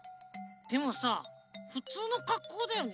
でもさふつうのかっこうだよね。